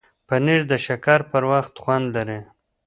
پنېر د شکر پر وخت خوند لري.